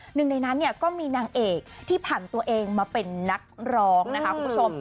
หนึ่งในนั้นเนี่ยก็มีนางเอกที่ผ่านตัวเองมาเป็นนักร้องนะคะคุณผู้ชม